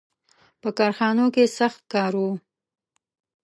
• په کارخانو کې سخت کار و.